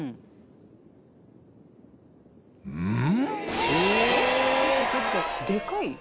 うん？